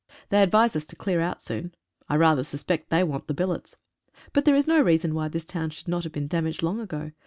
They advise us to clear out soon. I rather suspect they want the billets! But there is no reason why this town should not have been damaged long ago.